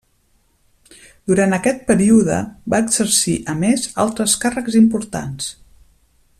Durant aquest període va exercir, a més, altres càrrecs importants.